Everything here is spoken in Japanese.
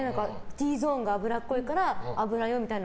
Ｔゾーンが脂っこいから脂用みたいな。